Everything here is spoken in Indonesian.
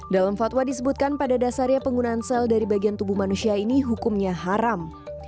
dalam fatwa disebutkan pada dasarnya penggunaan sel dari bagian tubuh manusia ini hukumnya haram